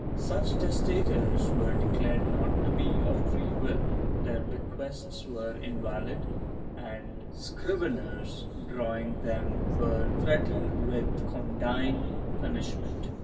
Such testators were declared not to be of free will, their bequests were invalid and scriveners draw ing them were threatened with condign punishment.